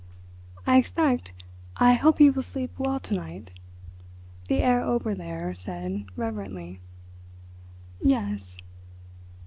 "I expect, I hope you will sleep well to night," the Herr Oberlehrer said reverently. "Yes."